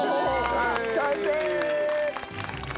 完成！